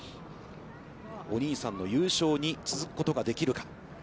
お兄さんの優勝に続くことができるか。